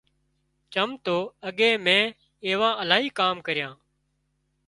چم تو اڳي مين ايوان الاهي ڪام ڪريان